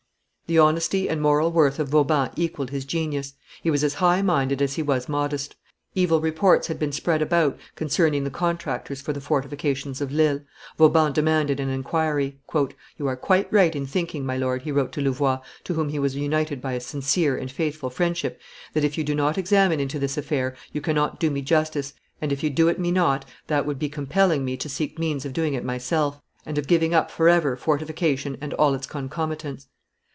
The honesty and moral worth of Vauban equalled his genius; he was as high minded as he was modest; evil reports had been spread about concerning the contractors for the fortifications of Lille. Vauban demanded an inquiry. "You are quite right in thinking, my lord," he wrote to Louvois, to whom he was united by a sincere and faithful friendship, "that, if you do not examine into this affair, you cannot do me justice, and, if you do it me not, that would be compelling me to seek means of doing it myself, and of giving up forever fortification and all its concomitants.